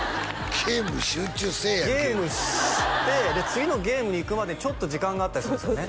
ゲームに集中せえやゲームしてで次のゲームにいくまでちょっと時間があったりするんですよね